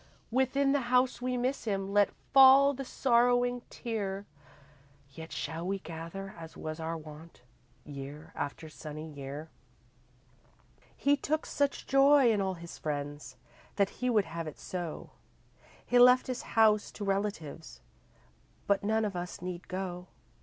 Within the house we miss him, Let fall the sorrowing tear, Yet shall we gather as was our wont Year after sunny year. He took such joy in all his friends That he would have it so; He left his house to relatives But none of us need go.